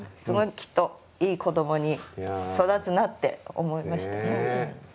すごいきっといい子どもに育つなって思いましたね。